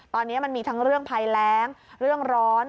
ตอนนี้มันมีทั้งเรื่องภัยแรงเรื่องร้อน